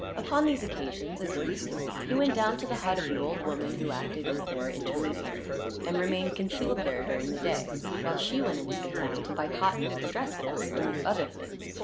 Upon these occasions, as usual, he went down to the hut of the old woman who acted as their intermediary; and remained concealed there, during the day, while she went into the town, to buy cotton for dresses, and other things.